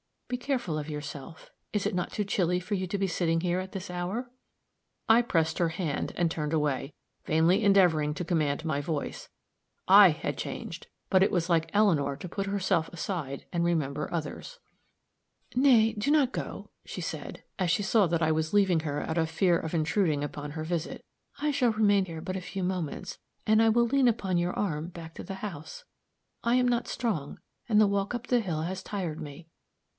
Be careful of yourself is it not too chilly for you to be sitting here at this hour?" I pressed her hand, and turned away, vainly endeavoring to command my voice. I had changed! but it was like Eleanor to put herself aside and remember others. "Nay, do not go," she said, as she saw that I was leaving her out of fear of intruding upon her visit, "I shall remain here but a few moments, and I will lean upon your arm back to the house. I am not strong, and the walk up the hill has tired me.